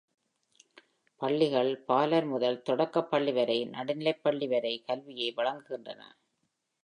பள்ளிகள் பாலர் முதல் தொடக்கப்பள்ளி வரை நடுநிலைப்பள்ளி வரை கல்வியை வழங்குகின்றன.